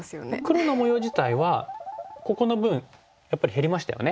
黒の模様自体はここの分やっぱり減りましたよね。